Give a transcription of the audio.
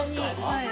はい。